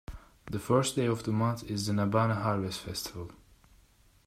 The first day of the month is the Nabanna harvest festival.